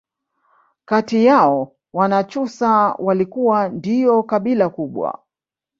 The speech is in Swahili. kati yao Wanyakyusa walikuwa ndio kabila kubwa